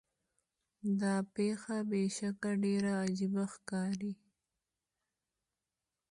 دا پیښه بې شکه ډیره عجیبه ښکاري.